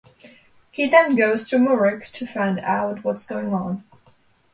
He then goes to Murrick to find out what's going on.